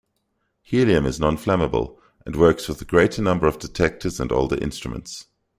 Helium is non-flammable and works with a greater number of detectors and older instruments.